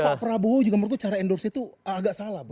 pak prabowo juga menurut cara endorse itu agak salah